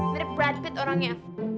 mirip brad pitt orangnya